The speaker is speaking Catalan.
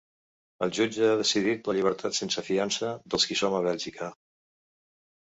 El jutge ha decidit la llibertat sense fiança dels qui som a Bèlgica.